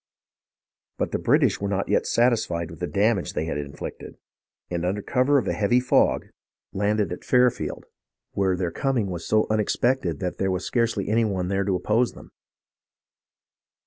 But the British were not yet satisfied with the damage they had inflicted, and under cover of a heavy fog landed 2/0 HISTORY OF THE AMERICAN REVOLUTION at Fairfield, where their coming was so unexpected that there was scarcely any one there to oppose them.